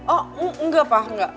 oh enggak pak enggak